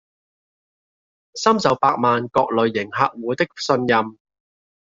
深受數百萬各類型客戶的信任